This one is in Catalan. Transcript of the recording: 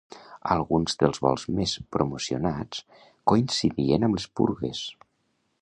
Alguns dels vols més promocionats coincidien amb les purgues.